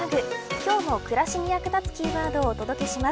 今日も暮らしに役立つキーワードをお届けします。